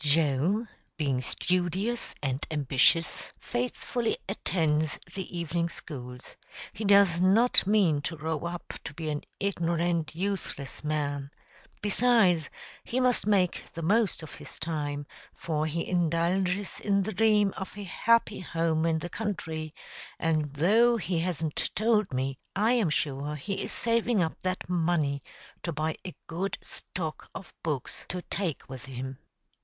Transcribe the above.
Joe, being studious and ambitious, faithfully attends the evening schools; he does not mean to grow up to be an ignorant, useless man; besides, he must make the most of his time, for he indulges in the dream of a happy home in the country, and though he hasn't told me, I am sure he is saving up that money to buy a good stock of books to take with him.